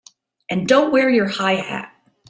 And don't wear your high hat!